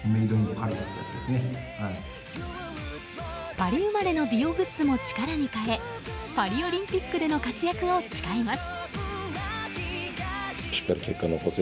パリ生まれの美容グッズも力に変えパリオリンピックでの活躍を誓います。